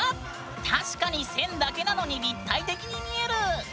確かに線だけなのに立体的に見える！